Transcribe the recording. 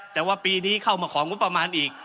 แต่ว่าปีนี้เข้ามาของงบประมาณอีก